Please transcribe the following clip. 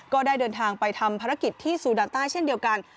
ก็ได้เดินทางไปทำภารกิจที่ซูดาต้าเช่นเดียวกัน